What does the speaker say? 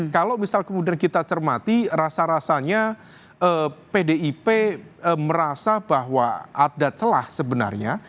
kalau misal kemudian kita cermati rasa rasanya pdip merasa bahwa ada celah sebenarnya